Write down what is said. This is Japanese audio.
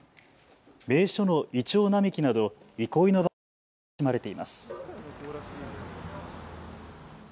名所のイチョウ並木など憩いの場として親しまれています。